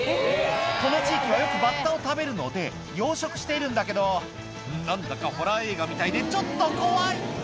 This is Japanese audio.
この地域はよくバッタを食べるので養殖しているんだけど何だかホラー映画みたいでちょっと怖い！